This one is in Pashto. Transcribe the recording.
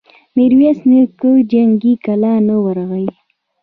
ميرويس نيکه جنګي کلا ته ورغی.